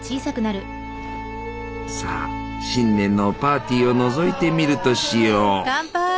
さあ新年のパーティーをのぞいてみるとしよう。